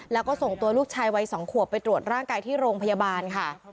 แล้วก็ส่งตัวลูกชายวัย๒ขวบไปตรวจร่างกายที่โรงพยาบาลค่ะ